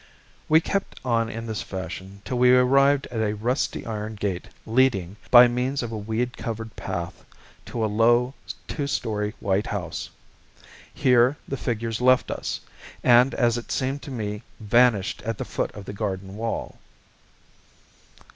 We kept on in this fashion till we arrived at a rusty iron gate leading, by means of a weed covered path, to a low, two storied white house. Here the figures left us, and as it seemed to me vanished at the foot of the garden wall.